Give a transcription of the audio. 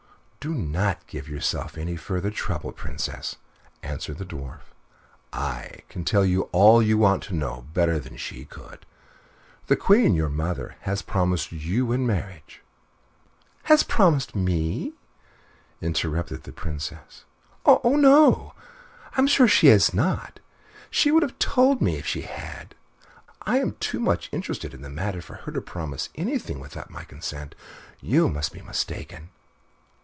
"Do not give yourself any further trouble, Princess," answered the Dwarf. "I can tell you all you want to know better than she could. The Queen, your mother, has promised you in marriage " "Has promised me!" interrupted the Princess. "Oh! no. I'm sure she has not. She would have told me if she had. I am too much interested in the matter for her to promise anything without my consent you must be mistaken."